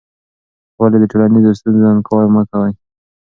ولې د ټولنیزو ستونزو انکار مه کوې؟